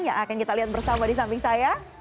yang akan kita lihat bersama di samping saya